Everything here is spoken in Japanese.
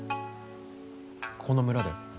この村で？